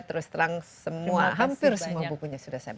terus terang hampir semua bukunya sudah saya baca